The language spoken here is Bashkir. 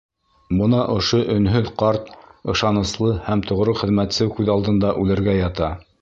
Бына ошо өнһөҙ ҡарт, ышаныслы һәм тоғро хеҙмәтсе күҙ алдында үлергә ята.